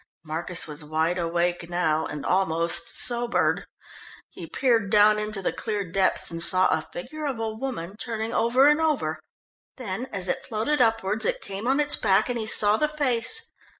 Marcus was wide awake now, and almost sobered. He peered down into the clear depths, and saw a figure of a woman turning over and over. Then as it floated upwards it came on its back, and he saw the face.